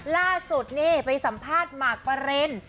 ล่าสุดนี่ไปสัมภาษณ์หมากปริน